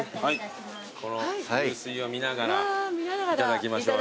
この湧水を見ながらいただきましょうよ。